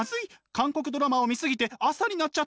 韓国ドラマを見過ぎて朝になっちゃった！